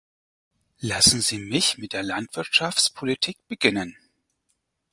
Lassen Sie mich mit der Landwirtschaftspolitik beginnen.